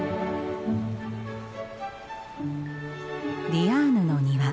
ディアーヌの庭。